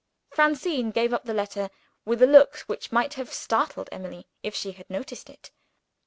Francine gave up the letter, with a look which might have startled Emily if she had noticed it.